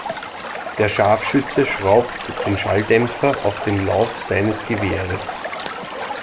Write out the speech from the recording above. Der Scharfschütze schraubt den Schalldämpfer auf den Lauf seines Gewehres.